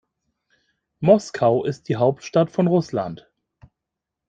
Moskau ist die Hauptstadt von Russland.